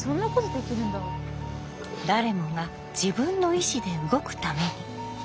誰もが自分の意思で動くために。